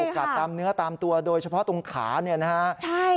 ถูกกัดตามเนื้อตามตัวโดยเฉพาะตรงขานะครับ